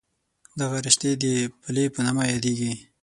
دغه رشتې د پلې په نامه یادېږي.